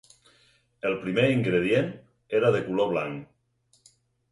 El primer ingredient era de color blanc.